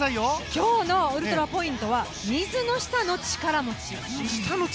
今日のウルトラポイントは水の下の力持ち。